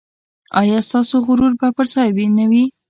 ایا ستاسو غرور به پر ځای نه وي؟